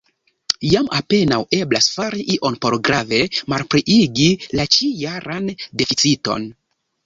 Jam apenaŭ eblas fari ion por grave malpliigi la ĉi-jaran deficiton.